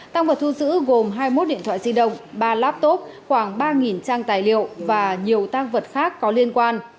tăng vật thu giữ gồm hai mươi một điện thoại di động ba laptop khoảng ba trang tài liệu và nhiều tăng vật khác có liên quan